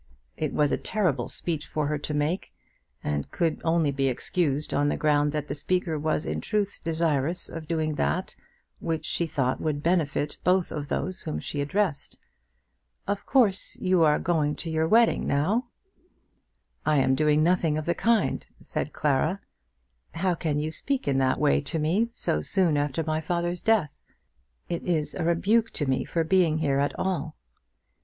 It was a terrible speech for her to make, and could only be excused on the ground that the speaker was in truth desirous of doing that which she thought would benefit both of those whom she addressed. "Of course you are going to your wedding now?" "I am doing nothing of the kind," said Clara. "How can you speak in that way to me so soon after my father's death? It is a rebuke to me for being here at all."